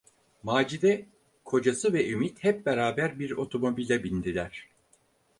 Macide, kocası ve Ümit hep beraber bir otomobile bindiler.